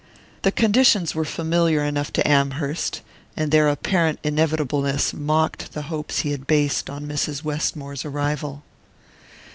The conditions were familiar enough to Amherst; and their apparent inevitableness mocked the hopes he had based on Mrs. Westmore's arrival.